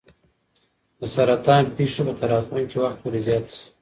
د سرطان پېښې به تر راتلونکي وخت پورې زیاتې شي.